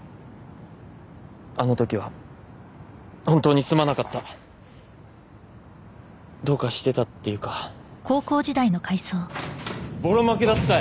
あのときは本当にすまなかったどうかしてたっていうかボロ負けだったよ